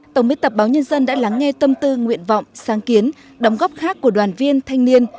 tổng biên tập báo nhân dân đã lắng nghe tâm tư nguyện vọng sáng kiến đóng góp khác của đoàn viên thanh niên